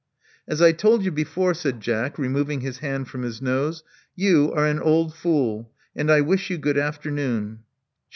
As I told you before,*' said Jack, removing his hand from his nose, you are an old fool; and I wish you good afternoon."